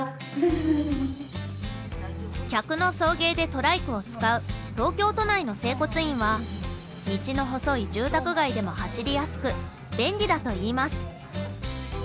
客の送迎でトライクを使う東京都内の整骨院は道の細い住宅街でも走りやすく便利だと言います。